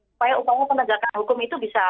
supaya upaya penegakan hukum itu bisa